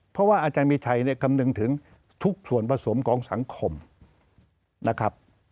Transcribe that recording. เพราะว่าอาจารย์มีชัยเนี่ยคำนึงถึงทุกส่วนผสมของสังคมนะครับ